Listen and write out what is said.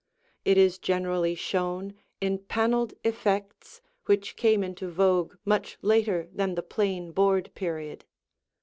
It is generally shown in paneled effects which came into vogue much later than the plain board period.